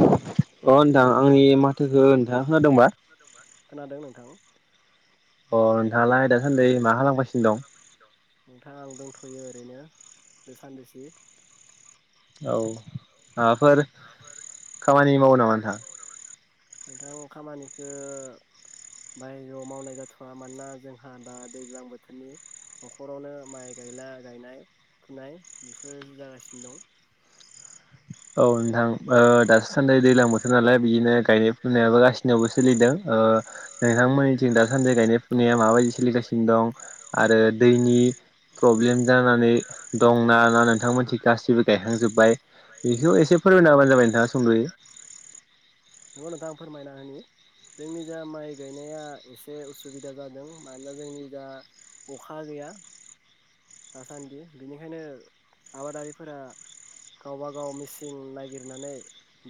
अ नोंथां आंनि माथोखौ नोंथाङा खोनादोंबा अ नोंथाङालाय दासान्दि मा खालामगासिनो दं दंथ'यो ओरैनो दा सानदिसि औ माबाफोर खामानि मावो नामा नोंथां नोंथां खामानिखौ बायजोआव मावनाय जाथ'वा मानोना जोंहा दा दैज्लां बोथोरनि न'खरावनो माइ गायला गायनाय फुनाय बेफोर जागासिनो दं [inaudible] औ नोंथां दासो सान्द दैलां बोथोर नालाय बिदिनो गायनाय फुनायाबो गासिनिावबो सोलिदों ओ ओ नोंथांमोननिथिं दासान्दि गायनाय फुनाया माबायदि सोलिगासिनो दं आरो दैनि प्रब्लेम जानानै दंना ना नोंथांमोनथि गाससिबो गायखांजोबबाय बेखौ एसे फोरमायना हाबानो जाबाय नोंथांङा सुंदयै नंगौ नोंथां आं फोरमायना होनि जोंनि जा माइ गायनाया एसे उसुबिदा जादों मानोना जोंनि जा अखा गैया दासान्दि बिनिखायनो आबादारिफोरा गावबागाव मिसिन नागिरनानै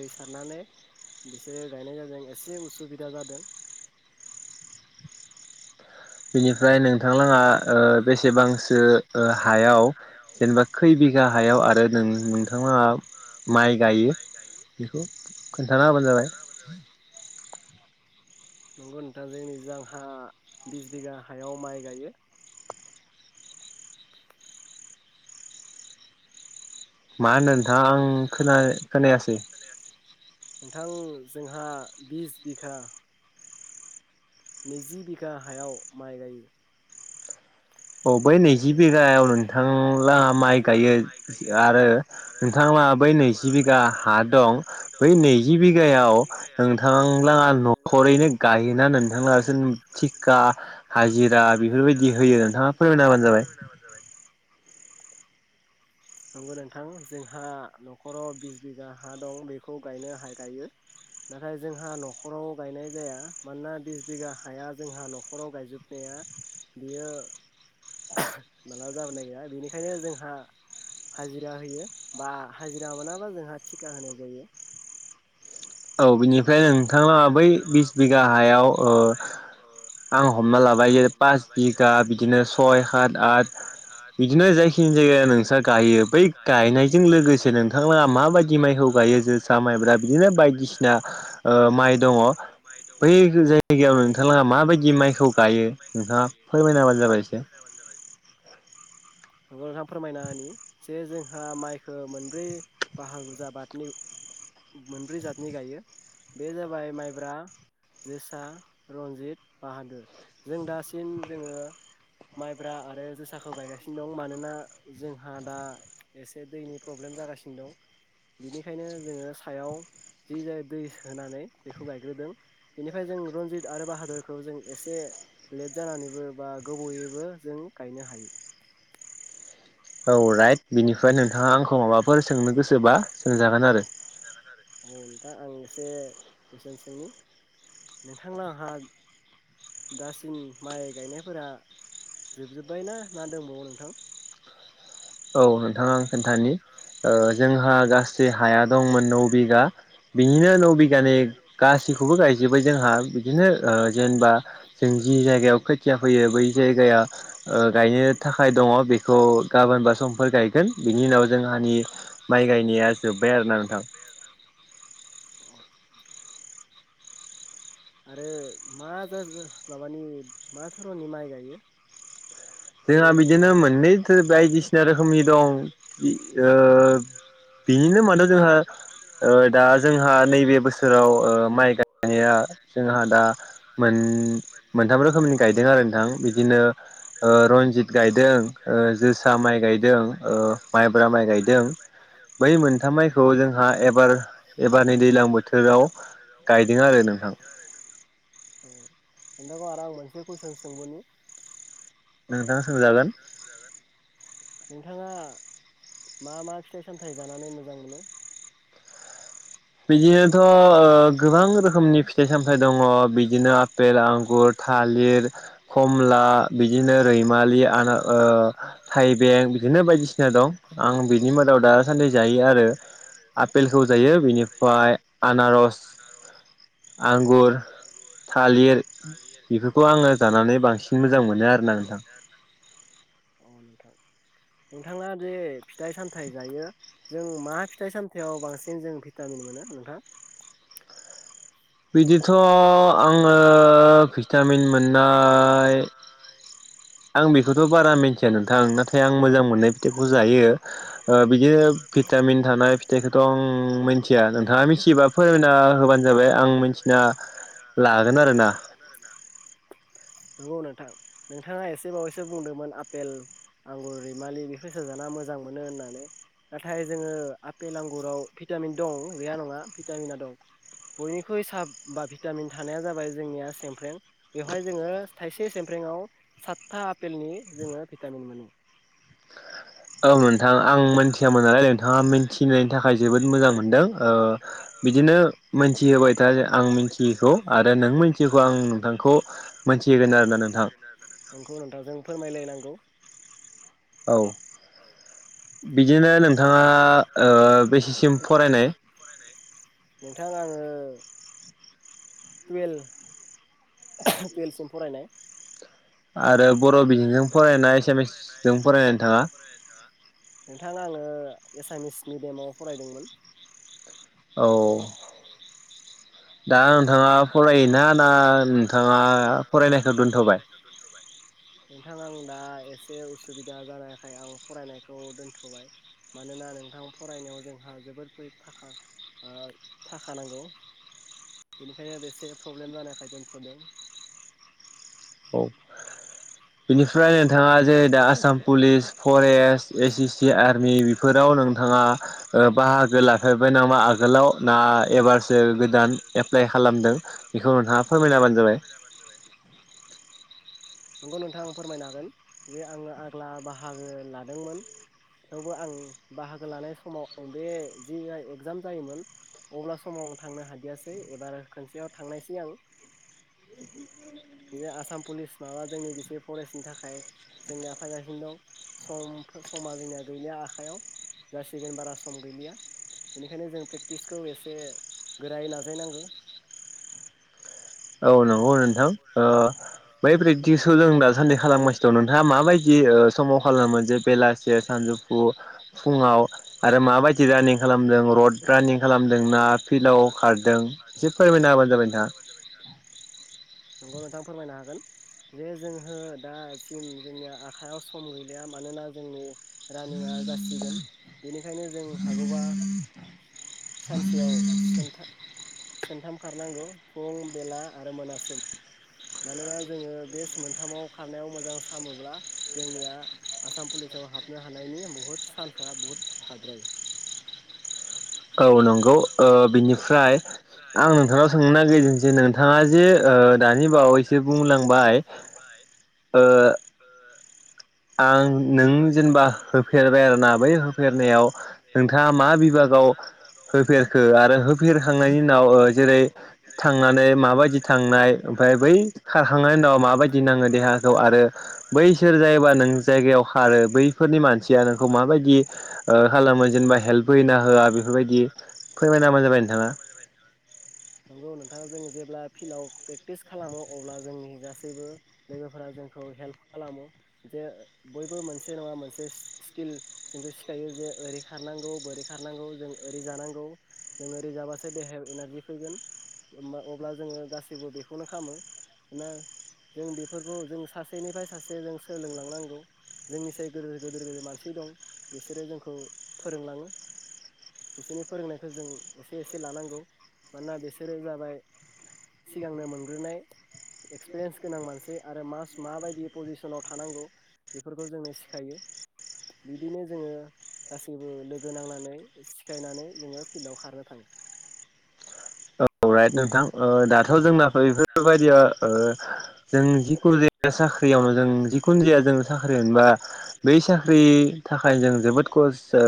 दै सारनानै बिसोरो गायनाय जादों एसे उसुबिदा जादों बेनिफ्राय नोंथांलाङा ओ बेसेबांसो हायाव जेनेबा खै बिगा गाहायाव आरो नोंथां माइ गायो बेखौ खोन्थाना होबानो जाबाय नंगौ नोंथां जोंनि ज आहा बिस बिगा हायाव माइ गायो मा होनो नोंथांङा आं खोनायासै नोंथां जोंहा बिस बिघा नैजि बिगा हायाव माइ गायो औ बै नैजि बिघायाव नोंथांङा माइ गायो आरो नोंथांङा लाहा बै नैजि बिघा हा दं बै नैजि बिघायाव नोंथां लाहा न' [unintelligible] गायोना नोंथांलाहा थिखा हाजिरा बेफोरबायदि गायोना होयो नोंथांङा फोरमायना [inaudible] [inaudible] नंगौ नोंथां जोंहा न'खराव बिस बिगा हा दं बेखौ गायनो हाइ गायो नाथाय जोंहा न'खराव गायनाय जाया मानोना बिस बिघा हाया जोंहा न'खराव गायजोबनायाव बियो मालाबा जाबोनाय गैया बेनिखायनो जोंहा हाजिरा होयो बा हाजिरा मोनाबा जोंहा थिखा होनाय जायो। औ बिनिफ्राय नोंथांङा बै बिस बिगा हायाव आं हमना लाबाय पास बिघा बिदिनो सय सात आथ बिदिनो जायखिनि जायगाया नोंस्रा गायो बै गायनायजों लोगोसे नोंथांमोना माबायदि माइखौ गायो जोसा माइब्रा बिदिनो बायदिसिना माइ दंङो बै जायगायाव नोंथां लाहा माबायदि माइखौ गायो नोंथांङा फोरमायनबानो जाबायसो [unintelligible] [unintelligible] नंगौ नोंथां फोरमायनानि जे जों जोंहा माइखो मोनब्रै बाहागुरजा बादनि मोनब्रै जातनि गायो बे जाबाय माइब्रा जोसा रन्जित बाहादुर जों दासिम जोंङो माइब्रा आरो जोसाखौ गायगासिनो दं मानोना जोंहा दा एसे दैनि प्रब्लेम जागासिनो दं बेनिखायनो जोंङो सायाव जि जाय दै होनानै बेखौ गायग्रोदों बेनिफ्राय जों रन्जित आरो बाहादुरखौ जों एसे लेट जानानैबो बा गोबयैबो जों गायनो हायो औ राइट बेनिफ्रायनो फ्राय नोंथां आंखौाफोर सोंनो गोसोबाागोन आरो [unintelligible] [unintelligible] कुइसन सोंनि नोंथांलाहा आंहा दासिम माइ गायनायफोरा जोबजोब्बाय ना ना दंबावो नोंथां औ नोंथांङा आं खोन्थानि जोंहा गासै हाया दंमोन नौ बिघा बिनिनो नौ बिघानि गासै खोथिखौबो गायजोब्बाय जोंहा बिदिनो जेनेबा जों जि जायगायाव खोथिया फैयो बै जायगायाव गायनो थाखाय दङ बेखौ गाबोनबा समफोर गायगोन बिनि उनाव जोंहानि माइ गायनाया जोब्बाय आरोना नोंथां आरो मा जाज माबानि मा धरननि माइ गायो जोंहा बिदिनो मोननैथ बायदिसिना रोखोमनि दं बिदिनो मानो जोहा दा जोंहा नैबे बोसोराव माइ गायनाया जोंहा दा मोन मोनथाम रोखोमनि गायदों आरो नोंथां बिदिनो रनजित गायदों जोसा माइ गायदों माइब्रा माइ गायदों बै मोनथाम माइखौ जोंहा एबार एबारनि दै्लां बोथोराव गायदों आरो ना नोंथांखौ आरो आं मोनसे कुइसन सोंबावनि नोंथांङा सोंजागोन नोंथाङा मा मा फिथाइ सामथाय जानानै मोजां मोनो बिदिनोथ' गोबां रोखोमनि फिथाइ सामथाइ दङ बिदिनो आफेल आंगुर थाल लिर कमला बिदिनो रैमालि थाइबें बिदिनो बायदिसिना दं आं बिनि मादाव दासान्दि जायो आरो आपेलखौ जायो बेनि फायफ्राय आनारस आंगुर थालिर बेफोरखौ आङो जानानै बांसिन मोजां मोनो आरोना नोंथां औ नोंथां नोंथाङा जे फिथाइ सामथायाइ जायो जों मा फिथाइ सामथायाइयाव बांसिन जों भिटामिन मोनो नोंथां बिदिथ' आङो भिटामिन मोननाय आं बेखौथ' बारा मिन्थिया नोंथां नाथाय आं मोजां मोननाय फिथाइखौ जायो बिदिनो फिथ भिटामिन थानाय फिथाइखौथ' आं मिथिया नोंथाङा मिथिबा फोरमायना होबानो जाबाय आं मिथिना लागोन आरोना नंगौ नोंथां नोंथाङा एसेबावैसो सो बुंदोंमोन आपेल आंगुर रैमालि बेफोरसो जाना मोजां मोनो होननानै नाथाय जोङो आपेल आंगुराव भिटामिन दं गैया नङा भिटामिना दं बयनिख्रुइसाब बा भिटामिन थानाया जाबाय जोंनिया सेमफ्र्रें बेवहाय जोङो थाइसे सेमफ्र्रें सातथा आपेलनि जोङो भिटामिन मोनो औ नोंथां आं मिथियामोन नालाय नोंथाङा मिथिनायनि थाखाय जोबोद मोजां मोनदों बिदि बिदिनो मिथि होबाय था आं मिथियैखौ आरो नों मिथियैखौ आं नोंथांखौ मिथि मिथिगोन आंखौ नोंथां जों फोरमायलायनांगौ औ बिदिनो नोंथाङा बेसेसिम फरायनाय [inaudible] टुवेल टुवेल्भसिम फरायनाय आरो बर' बिजोंजों फराया एसामिस जों फरायनो थाङा नोंथाङा आङो एसामिस मिडियामाव फरायदोंमोन औ दा नोंथाङा फरायोना ना नोंथाङा फरायनायखौ दोनथ'बाय नोंथाङा आं दा ए एसे उसुबिदा जानायखाय आं फरायनायखौ दोनथ'बाय मानोना नोंथां फरायनायाव जोंहा जोबोर बै थाखा थाखा नांगौ बेनिखायनो बेसे प्रब्लेम जानायाखाय दोनथ'दों औ बेनिफ्राय नोंथाङा जेरै दा Assam police forest S A C army बेफोर फोराव नोंथाङा बाहागो लाफेरबाय नामा आगोलाव ना एबारसो गोदान एप्लाइ खालामदों बेखौ नोंथाङा फोरमायनाबानो जाबाय जाय [inaudible] नोंगौ नोंथां फोरमायनो हागोन जे आङो आग्ला बाहागो लादोंमोन। थेवबो आं बाहागो लानाय समाव आं बे जि एगजाम जायोमोन अब्ला समाव आं थांनो हादियासै एबार खनसेयाव थांनायसै आं। बि आसाम पुलिस माबा जोंनि बिसोर फरेस्टनि थाखाय जोंनिया फैगासिनो दं सम समा जोंनिया गैलिया आखाइयाव जासिगोन बारा सम गैलिया। बेनिखायनो जों प्रेक्टिसखौ एसे गोरायै नाजायनांगौ। औ नंगौ नोंथां ओ बै प्रेकटिसखौ जों दासान्दि खालामगासिनो दं नोंथाङा माबायदि समाव खालामो जे बेलासे सान फुङाव आरो माबायदि रानिं खालामदों रड रानिं खालामदोंना फिलडाव खारदों एसे फोरमायना होहाबानो जाबाय नोंथाङा नोंगौ नोंथां फोरमायनो होगोन जे जोंहा दासिम जोंनि आखायाव सम गैलिया मानोना जोंनि रानिंआ जासिगोन बेनिखायनो जों हागौबा सानसेयाव सोनथा सानथाम खारनांगौ फुं बेला आरो मोनासिम मानोना जोङो बे मोनथामाव खारनायाव मोजां सामोब्ला जोंनिया आसाम पुलिसाव हाबनो हानाय नि बुहुत सान्सआ बुहुत थाद्रायो। औ नंगौ ओ बिनिफ्राय आं नोंथांनाव सोंनो नागिरदों जि नोंथाङा जि दानि बावैसो बुंलांबाय ओ आं नों जेनेबा होफेरबाय आरोना बै होफेरनायाव नोंथाङा मा बिबाग मा बिबागाव [inaudible] होफेरखो आरो होफेरखांनायनि उनाव जेरै थांनानै माबायदि थांनाय ओमफ्राय बै खारखांनायनि उनाव माबायदि नाङो देहाखौ आरो बैसोर जायोबा नों जायगायाव खारो बैफोरनि मानसिया नोंखौ माबायदि खालामो ओ जेनेबा हेल्प होयोना होआ ओ बेफोरबायदि फोरमायनाय होबानो जाबाय नोंथाङा। ओ जों जेब्ला फिल्डआव प्रेक्टिस खालामो अब्ला जोंनि गासैबो लोगोफोरा जोंखौ हेल्प खालामो जे बयबो मोनसे नङा मोनसे स्किल जोंबो सिखायो जे ओरै खारनाय [unintelligible] बोरै खारनांगौ जों ओरै जानांगौ जों ओरै जाबासो देहायाव एनारजि फैगोन। अब्ला जोङो गासैबो बेखौनो खामो ना जों बेफोरखौ जों सासेनिफ्राय सासे जों सोलोंलांनांगौ। जोंनिसाय गोदोर गोदोर मानसि दं बिसोरो जोंखौ फोरोंलाङो। बिसोरनि फोरोंनायखौ जों एसे एसे लानांगौ मानोना बिसोरो जाबाय सिगांनो मोनग्रोनाय एक्सपिरियेन्स गोनां मानसि आरो मास माबायदि पजिसनाव थानांगौ। बेफोरखौ जोंनो सिखायो। बिदिनो जोङो गासैबो लोगो नांनानै सिखायनानै नोङो फिल्डआव खारनो थाङो। औ राइट नोंथां। ओ दाथ' जोंना बेफोरबायदिया जों जिखुनु ज साख्रियावनो जों जिखुनु जाया जों साख्रि मोनबा बै साख्रिनि थाखाय जों जोबोद खस [inaudible]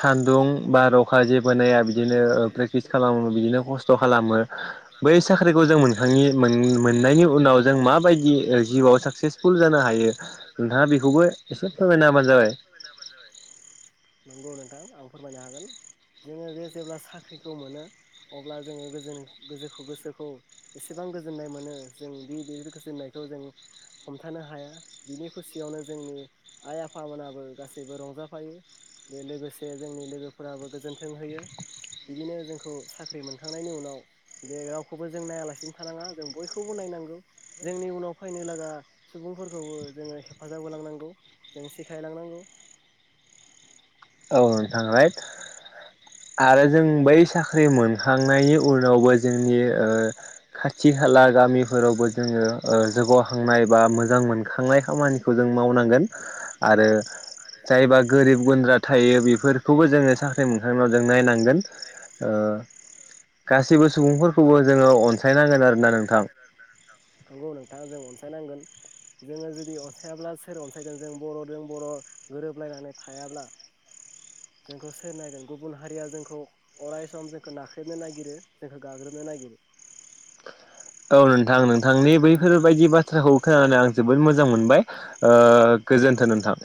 सान्दुं बार अखा जेबो नाया बिदिनो प्रेकटिस खालामो बिदिनो खस्थ' खालामो। ला [inaudible] बै साख्रिखौ जों मोनहायि [unintelligible] मोननायनि उनाव जों माबायदि जिउआव साक्सेसफुल जानो हायो नोंथाङा बेखौबो एसे फोरमायना हबानो जाबाय। नंगौ नों थां आं फोरमायनो हागोन जोङो जे जेब्ला साख्रिखौ मोनो अब्ला जोङो गोजोन गोजोखौ [unintelligible] गोसोखौ एसेबां गोजोननाय मोनो जों बिबादि गोजोननायखौ जों हमथानो हाया बिनि खुसियावनो जोंनि आइ आफामोनाबो गासैबो रंजाफायो। बे लोगोसे जोंनि लोगोफोराबो गोजोन्थों होयो। बिदिनो जोंखौ साख्रि मोनखांनायनि उनाव जे रावखौबो जों नायालासिनो थानाङा जों बयखौबो नायनांगौ जोंनि उनाव फायनो लागा सुबुंफोरखौबो जोङो हेफाजाब होलांनांगौ जों सिखायलांनांगौ [unintelligible] आरो जों बै साख्रि मोनखांनायनि उनावबो जोंनि ओ खाथि खाला गामि फोरावबो जोङो जौगाखांनाय बा मोजां मोनखांनाय खामानिखौ जों मावनांगोन आरो जायबा गोरिब गुन्द्रा थायो बेफोरखौबो जोङो साख्रि मोनखां उनाव जों नायनांगोन गासिबो सुबुंफोरखौबो जोङो अनसायनांगोन आरोना नोंथां नंगौ नोंथाङा जों अनसायनांगोन जोङो जुदि अनसायाब्ला सोर अनसायगोन जों बर'जों बर' गोरोबलायनानै थायाब्ला [inaudible] जोंखौ सोर नायगोन गुबुन हारिया जोंखौ अराय सम जोंखौ नाख्रेबनो नागिरो जोंखौ गाग्रोबनो नागिरो [inaudible] औ नोंथां नोंथांनि बैफोरबायदि बाथ्राखौ खोनानानै आं जोबोद मोजां मोनबाय गोजो [unintelligible] नोंथां